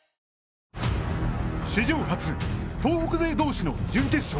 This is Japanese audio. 史上初、東北勢同士の準決勝。